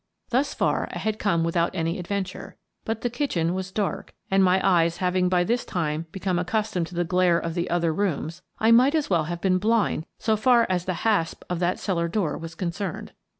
Thus far I had come without any adventure, but the kitchen was dark and, my eyes having by this time become accustomed to the glare of the other rooms, I might as well have been blind so far as the hasp of that cellar door was concerned.